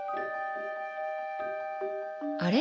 あれ？